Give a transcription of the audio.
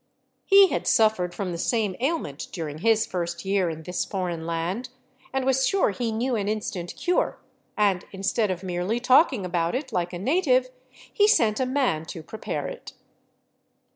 He had suffered from the same ailment during his first year in this foreign land and was sure he knew an instant cure — and in stead of merely talking about it, like a native, he sent a man to prepare it.